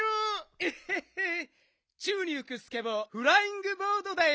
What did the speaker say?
えへへちゅうにうくスケボーフライングボードだよ！